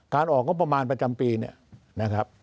ออกงบประมาณประจำปีเนี่ยนะครับ